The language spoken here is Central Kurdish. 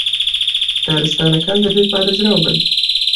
دارستانەکان دەبێ پارێزراو بن